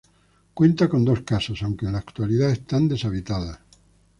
Cuenta con dos casas, aunque en la actualidad están deshabitadas.